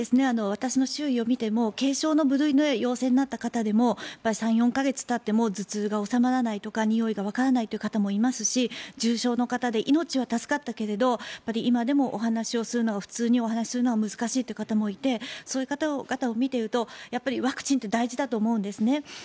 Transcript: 私の周囲を見ても軽症の部類で陽性になった方でも３４か月たっても頭痛が収まらないとかにおいがわからないという人がいますし重症の方で命は助かったけれど今でも普通にお話をすることが難しいという方もいてそういう方を見るとワクチンって大事だと思うんです。